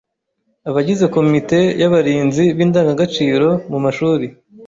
Abagize komite y’abarinzi b’indangagaciro mu mashuri